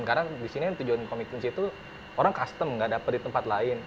karena di sini tujuan komiknya itu orang custom gak dapat di tempat lain